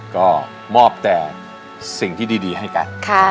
ก็มอบแต่สิ่งที่ดีให้กัน